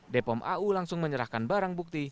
depom au langsung menyerahkan barang bukti